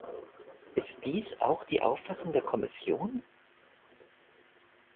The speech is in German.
Ist dies auch die Auffassung der Kommission?